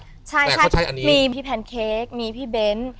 แต่เขาใช้อันนี้ใช่มีพี่แพนเค้กมีพี่เบน